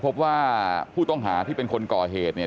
พบว่าผู้ต้องหาที่เป็นคนก่อเหตุเนี่ย